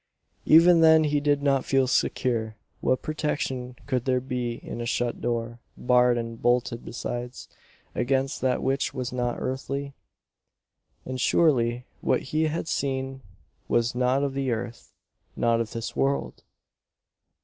Even then he did not feel secure. What protection could there be in a shut door, barred and bolted besides, against that which was not earthly? And surely what he had seen was not of the earth not of this world!